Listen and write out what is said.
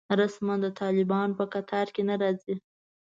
رسماً د طالبانو په کتار کې نه راځي.